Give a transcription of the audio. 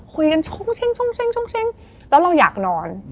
คุยกันชงชิงแล้วเราอยากนอน